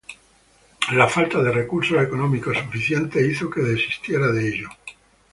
La falta de recursos económicos suficientes hizo que desistiera de ello.